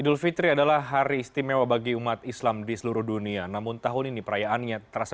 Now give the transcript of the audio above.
idul fitri adalah hari istimewa bagi umat islam di seluruh dunia namun tahun ini perayaannya terasa